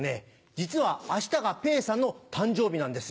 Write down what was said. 実は明日がペーさんの誕生日なんです。